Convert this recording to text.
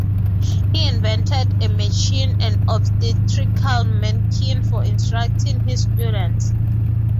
He invented a "machine", an obstetrical manikin, for instructing his students.